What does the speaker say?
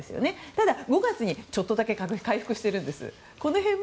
ただ、５月にちょっとだけ回復してるんです。